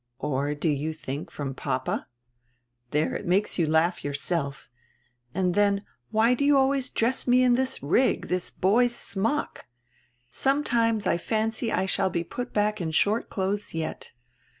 Or do you think, from papa? There, it makes you laugh yourself. And then, why do you always dress me in this rig, this boy's smock? Sometimes I fancy I shall be put back in short clothes yet.